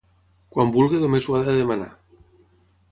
Quan vulgui només ho ha de demanar.